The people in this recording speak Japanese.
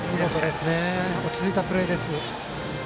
落ち着いたプレーです。